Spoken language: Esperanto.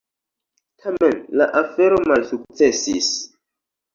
Tamen la afero malsukcesis.